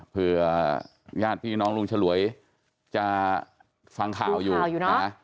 เพื่อญาติพี่น้องลุงฉลวยจะฟังข่าวอยู่นะ